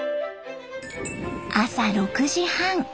朝６時半。